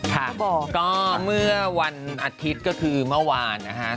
ค่ะก็เมื่อวันอาทิตย์ก็คือเมื่อวานนะคะ